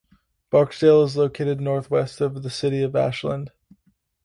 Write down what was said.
Barksdale is located northwest of the city of Ashland.